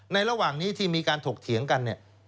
ในระหว่างนี้ที่มีการถกเถียงกัน